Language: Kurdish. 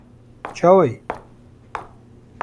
Çawa yî?